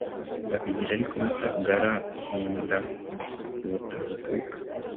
Babigira ariko batangara ihinda ubutaruhuka